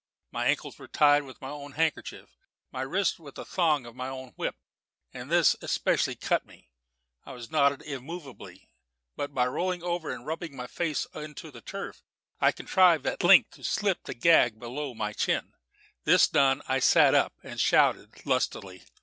My ankles were tied with my own handkerchief, my wrists with the thong of my own whip, and this especially cut me. It was knotted immovably; but by rolling over and rubbing my face into the turf, I contrived at length to slip the gag down below my chin. This done, I sat up and shouted lustily.